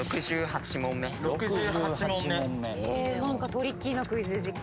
トリッキーなクイズ出てきた。